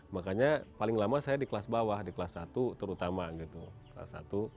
makanya paling lama saya di kelas bawah di kelas satu terutama gitu kelas satu